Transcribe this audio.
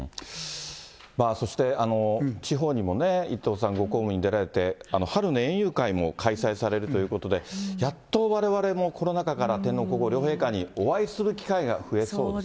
そして地方にもね、伊藤さん、ご公務に出られて、春の園遊会も開催されるということで、やっとわれわれもコロナ禍から、天皇皇后両陛下にお会いする機会が増えそうですね。